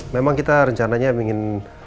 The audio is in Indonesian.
memang kita rencananya ingin